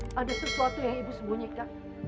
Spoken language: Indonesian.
ada sesuatu yang ibu sembunyikan